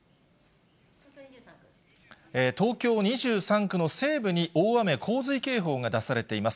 東京２３区の西部に大雨洪水警報が出されています。